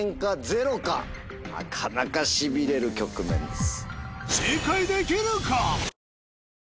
なかなかしびれる局面です。